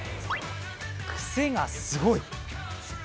クセがすごい。